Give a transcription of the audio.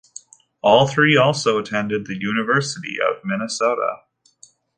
All three also attended the University of Minnesota.